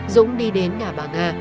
dũng đi đến nhà bà nga